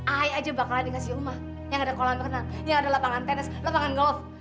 ahy aja bakalan dikasih rumah yang ada kolam terkenal yang ada lapangan tenis lapangan golf